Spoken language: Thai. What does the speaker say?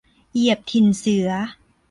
เหยียบถิ่นเสือ